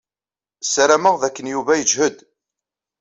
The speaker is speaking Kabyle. Sarameɣ d akken Yuba yeǧhed.